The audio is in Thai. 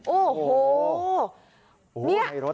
โอ้โห